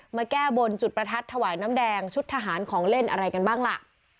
แก้บนจุดประทัดถวายน้ำแดงชุดทหารของเล่นอะไรกันบ้างล่ะ